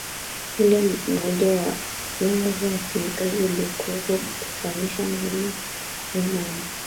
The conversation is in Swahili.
ule umoja wa vyama vya wafanyikazi uliokuweko kukutanisha vyama vinane